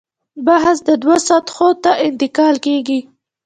بحث دوو سطحو ته انتقال کېږي.